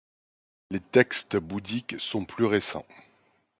Les textes bouddhiques sont plus récents.